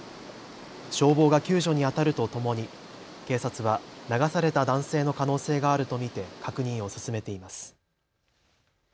消防が救助にあたるとともに警察は流された男性の可能性があると見て確認を進めています。